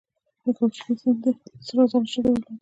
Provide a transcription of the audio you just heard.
د کوکچې سیند د سرو زرو شګې درلودې